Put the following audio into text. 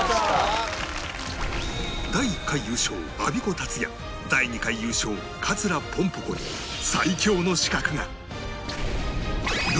第１回優勝アビコタツヤ第２回優勝桂ぽんぽ娘に最強の刺客が！